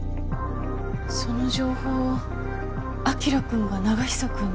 その情報を輝くんが永久くんに？